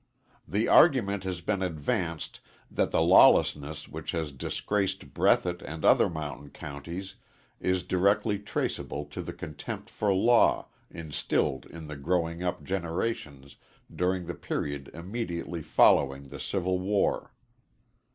The argument has been advanced that the lawlessness which has disgraced Breathitt and other mountain counties is directly traceable to the contempt for law instilled in the growing up generations during the period immediately following the Civil War.